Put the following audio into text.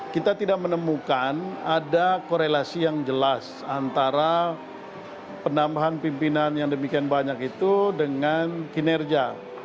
kita tidak menemukan ada korelasi yang jelas antara penambahan pimpinan yang demikian banyak itu dengan kinerja